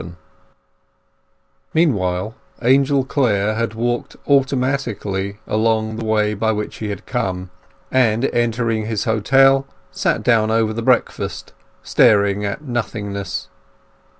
LVII Meanwhile Angel Clare had walked automatically along the way by which he had come, and, entering his hotel, sat down over the breakfast, staring at nothingness.